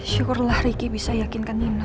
syukurlah ricky bisa yakinkan nina